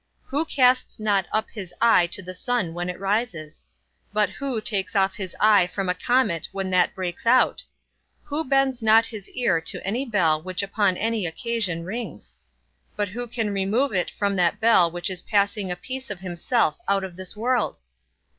Who casts not up his eye to the sun when it rises? but who takes off his eye from a comet when that breaks out? Who bends not his ear to any bell which upon any occasion rings? but who can remove it from that bell which is passing a piece of himself out of this world?